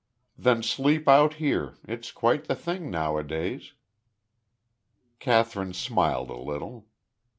"Then sleep out here. It's quite the thing, nowadays." Kathryn smiled a little.